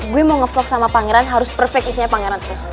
gue mau ngevlog sama pangeran harus perfect isinya pangeran terus